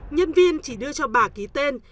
nhân viên chỉ đưa cho bà ký tên